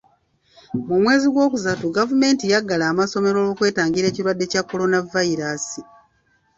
Mu mwezi gwokustu gavumenti yaggala amasomero olw'okwetangira ekirwadde kya Kolonavayiraasi.